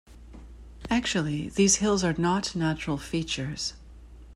Actually, these hills are not natural features.